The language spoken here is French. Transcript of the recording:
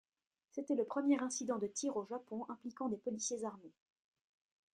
C'était le premier incident de tir au Japon impliquant des policiers armés.